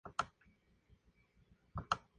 Frecuentemente contribuye a "Jeopardy!